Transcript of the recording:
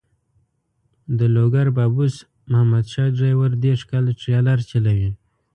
د لوګر بابوس محمد شاه ډریور دېرش کاله ټریلر چلوي.